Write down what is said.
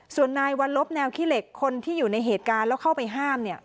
ส่วนนายวัลลบแนวขี้เหล็กคนที่อยู่ในเหตุการณ์แล้วเข้าไปห้ามเนี่ย